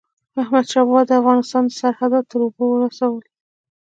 احمدشاه بابا د افغانستان سرحدات تر اوبو ورسول.